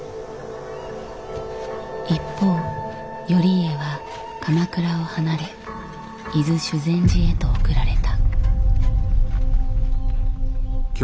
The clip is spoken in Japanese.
一方頼家は鎌倉を離れ伊豆修善寺へと送られた。